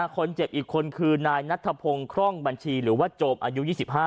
คนเจ็บอีกคนคือนายนัทธพงศ์คร่องบัญชีหรือว่าโจมอายุ๒๕